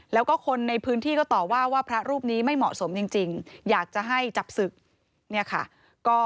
แล้วก็คนในพื้นที่ก็ต่อว่าว่าพระรูปนี้ไม่เหมาะสมจริงอยากจะให้จับศึกเนี่ยค่ะ